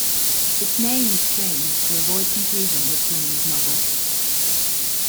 Its name was changed to avoid confusion with Fleming's novel.